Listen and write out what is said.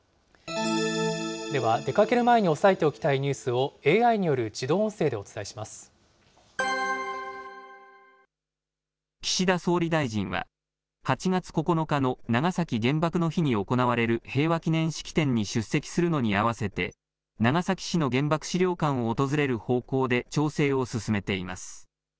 では出かける前に押さえておきたいニュースをＡＩによる自動音声岸田総理大臣は、８月９日の長崎原爆の日に行われる平和祈念式典に出席するのに合わせて、長崎市の原爆資料館を訪れる方向で調整を進めています。